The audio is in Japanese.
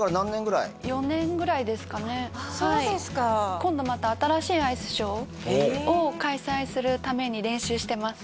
そうですか今度また新しいアイスショーを開催するために練習してます